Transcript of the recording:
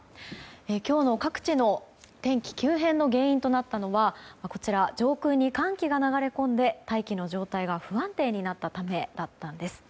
今日の各地の天気急変の原因となったのは上空に寒気が流れ込んで大気の状態が不安定になったためだったんです。